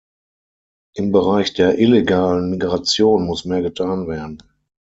Im Bereich der illegalen Migration muss mehr getan werden.